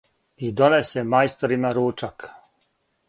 И донесе мајсторима ручак,